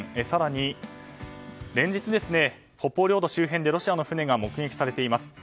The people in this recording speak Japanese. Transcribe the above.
更に連日北方領土周辺でロシアの船が目撃されています。